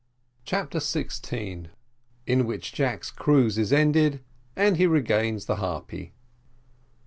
CHAPTER SIXTEEN. IN WHICH JACK'S CRUISE IS ENDED, AND HE REGAINS THE HARPY.